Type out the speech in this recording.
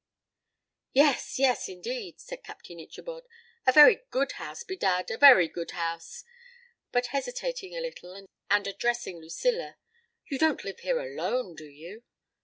"Yes, yes, indeed," said Captain Ichabod, "a very good house, bedad, a very good house." But hesitating a little and addressing Lucilla: "You don't live here alone, do you?"